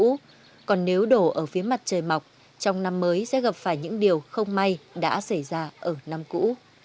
cũ còn nếu đổ ở phía mặt trời mọc trong năm mới sẽ gặp phải những điều không may đã xảy ra ở năm cũ